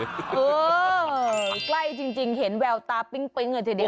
เออใกล้จริงเห็นแววตาปิ๊งอย่างเดียวนะคะ